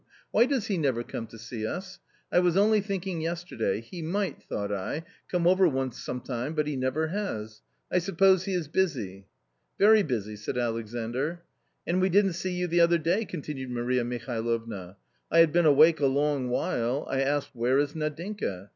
" Why does he never come to see us ? I was only think ing yesterday ; he might, thought I, come over once some time, but he never has — I suppose he is busy ?" "Very busy," said Alexandr. " And we didn't see you the other day !" continued Maria Mihalovna. " I had been awake a long while ; I asked, where is Nadinka?